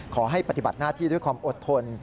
ปฏิบัติหน้าที่ด้วยความอดทน